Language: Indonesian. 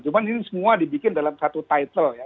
cuma ini semua dibikin dalam satu title ya